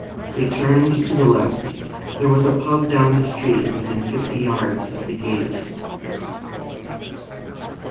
They turned to the left. There was a pub down the street, within fifty yards of the gate.